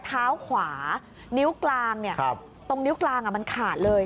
เท้าขวานิ้วกลางตรงนิ้วกลางมันขาดเลย